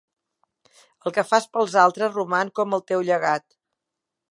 El que fas pels altres roman com el teu llegat.